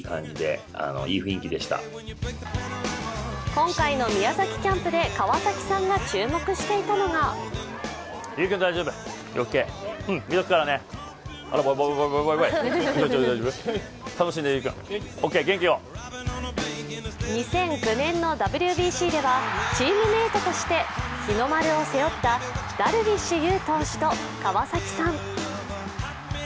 今回の宮崎キャンプで川崎さんが注目していたのが２００９年のＷＢＣではチームメイトとして日の丸を背負ったダルビッシュ有投手と川崎さん。